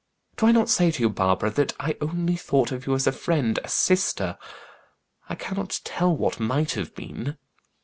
Do I not say to you, Barbara, that I only thought of you as a friend, a sister? I cannot tell what might have been."